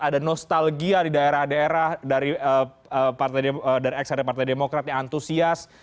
ada nostalgia di daerah daerah dari eksada partai demokrat yang antusias